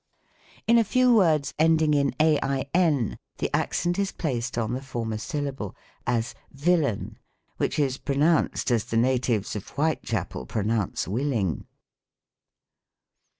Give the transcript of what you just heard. In a kw words ending in ain the accent is placed on the former syllable : as, "Villain," which is pronoun ced as the natives of Whitechapel pronounce " willing.''